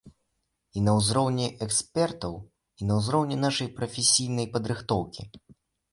І на ўзроўні экспертаў, і на ўзроўні нашай прафесійнай падрыхтоўкі.